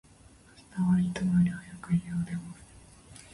明日は、いつもより早く、家を出ます。